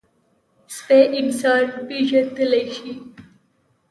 سپي انسان پېژندلی شي.